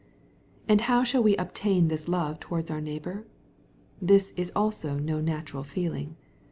And how shall we obtain this love towards our neigh bor ? This is also no natural feeling.